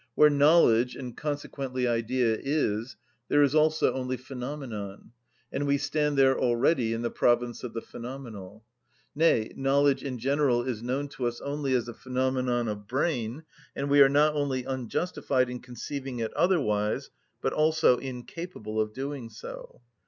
Where knowledge, and consequently idea, is, there is also only phenomenon, and we stand there already in the province of the phenomenal; nay, knowledge in general is known to us only as a phenomenon of brain, and we are not only unjustified in conceiving it otherwise, but also incapable of doing so.